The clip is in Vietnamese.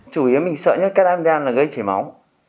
chủ yếu mình sợ nhất cắt amidam là gây chảy máu